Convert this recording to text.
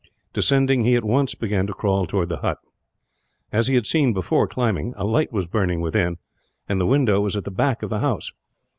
Descending, he at once began to crawl towards the hut. As he had seen before climbing, a light was burning within, and the window was at the back of the house.